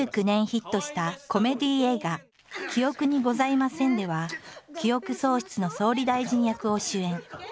２０１９年ヒットしたコメディー映画「記憶にございません！」では記憶喪失の総理大臣役を主演。